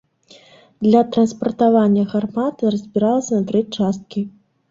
Для транспартавання гармата разбіралася на тры часткі.